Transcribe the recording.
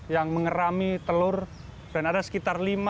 yang mengerami telur dan ada sekitar